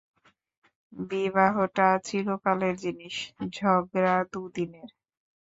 বিবাহটা চিরকালের জিনিস, ঝগড়া দুদিনের।